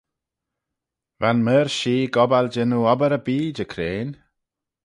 Va'n meoir-shee gobbal jannoo obbyr erbee Jecrean.